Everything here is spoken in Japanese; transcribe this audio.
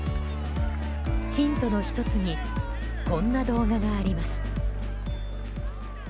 ヒントの１つにこんな動画があります。